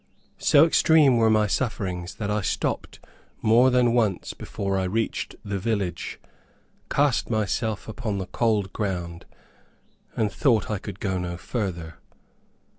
So extreme were my sufferings, that I stopped more than once before I reached the village, cast myself upon the cold ground, and thought I could go no further.